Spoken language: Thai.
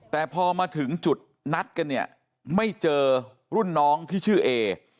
แต่พอมาถึงจุดนัดกันเนี่ยไม่เจอรุ่นน้องที่ชื่อเอ